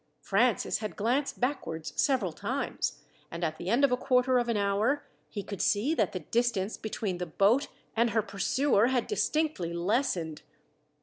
Francis had glanced backwards several times, and at the end of a quarter of an hour, he could see that the distance between the boat and her pursuer had distinctly lessened.